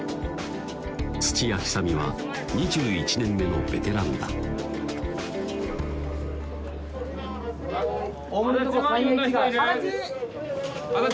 土屋尚美は２１年目のベテランだ足立！